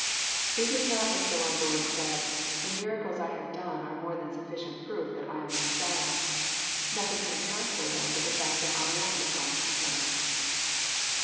It is as though our Lord said, <<The miracles I have done are more than sufficient proof that I am the Messiah. Nothing can account for them but the f)&ct that I ao the promised Messiah."